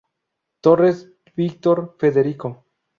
Torres, Víctor Federico.